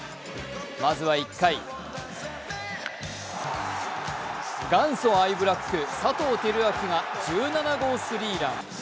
まずは１回、元祖アイブラック佐藤輝明が１７号スリーラン。